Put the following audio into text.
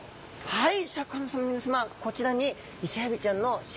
はい。